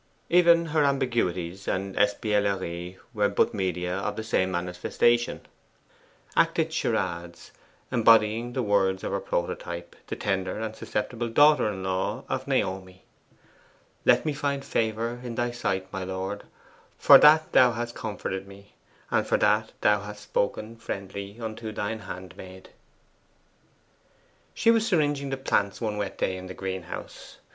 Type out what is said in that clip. Even her ambiguities and espieglerie were but media of the same manifestation; acted charades, embodying the words of her prototype, the tender and susceptible daughter in law of Naomi: 'Let me find favour in thy sight, my lord; for that thou hast comforted me, and for that thou hast spoken friendly unto thine handmaid.' She was syringing the plants one wet day in the greenhouse.